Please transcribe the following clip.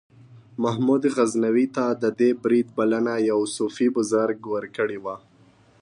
محمود غزنوي ته د دې برید بلنه یو صوفي بزرګ ورکړې وه.